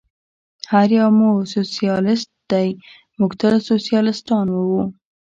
هر یو مو سوسیالیست دی، موږ تل سوسیالیستان و.